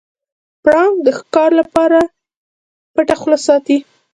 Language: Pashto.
پړانګ د ښکار لپاره پټه خوله ساتي.